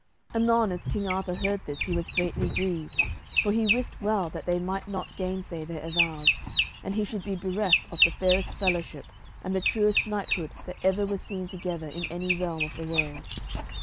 Anon as King Arthur heard this he was greatly grieved, for he wist well that they might not gainsay their avows, and he should be bereft of the fairest fellowship and the truest knighthood that ever were seen together in any realm of the world.